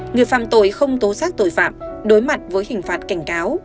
người phạm tội không tố xác tội phạm đối mặt với hình phạt cảnh cáo